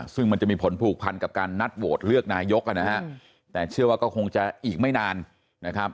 ซึ่งมันจะมีผลผูกพันกับการนัดโหวตเลือกนายกนะฮะแต่เชื่อว่าก็คงจะอีกไม่นานนะครับ